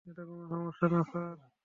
এটা কোনো সমস্যা না স্যার।